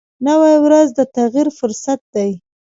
نوې ورځ د تغیر فرصت دی